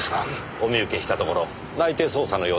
お見受けしたところ内偵捜査のようですねえ。